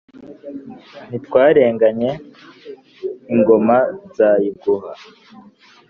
ntitwarenganye ingoma nzayiguha.